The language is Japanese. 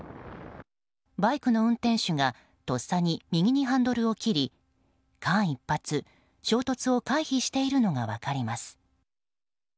バイクの運転手がとっさに右にハンドルを切り間一髪、衝突を回避しているのが分かります。